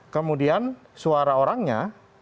kemudian suara orangnya